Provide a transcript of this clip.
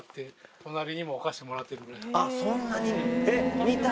そんなに。